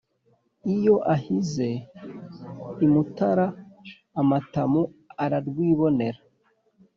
Iyo ahize i Mutara amatamu ararwibonera